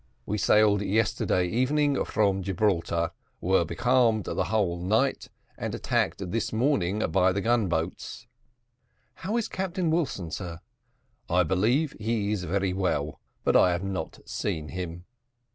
We sailed yesterday evening from Gibraltar, were becalmed the whole night, and attacked this morning by the gun boats." "How is Captain Wilson, sir?" "I believe he is very well, but I have not seen him."